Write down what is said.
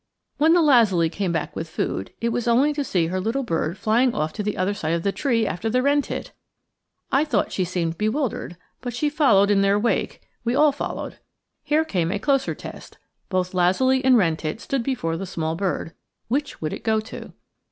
When the lazuli came back with food, it was only to see her little bird flying off to the other side of the tree after the wren tit! I thought she seemed bewildered, but she followed in their wake we all followed. Here came a closer test. Both lazuli and wren tit stood before the small bird. Which would it go to?